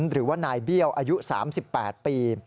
หรือว่านายเบี้ยวอายุ๓๘ปี